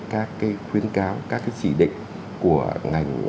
các cái khuyến cáo các cái chỉ định của ngành